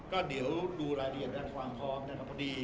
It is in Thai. ก็เดี๋ยวดูรายเรียนด้านความพร้อมนะครับ